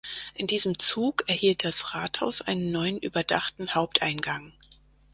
In diesem Zug erhielt das Rathaus einen neuen überdachten Haupteingang.